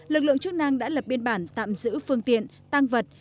lực lượng chức năng đã lập biên bản tạm giữ phương tiện tăng vật